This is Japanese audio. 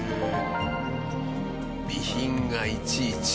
備品がいちいち。